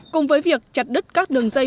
cùng với việc chặt đứt các đường dây